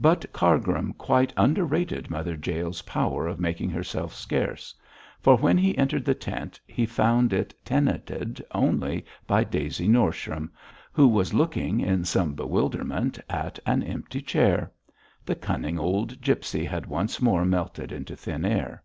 But Cargrim quite underrated Mother Jael's power of making herself scarce, for when he entered the tent he found it tenanted only by Daisy Norsham, who was looking in some bewilderment at an empty chair. The cunning old gipsy had once more melted into thin air.